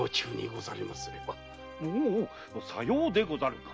おおぅさようでござるか。